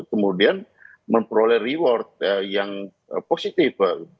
kemudian memperoleh reward yang positif